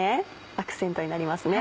アクセントになりますね。